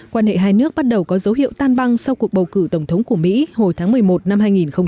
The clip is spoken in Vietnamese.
quan hệ hai nước bắt đầu có dấu hiệu tan băng sau cuộc bầu cử tổng thống của mỹ hồi tháng một mươi một năm hai nghìn một mươi sáu